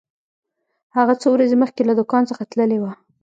هغه څو ورځې مخکې له دکان څخه تللی و.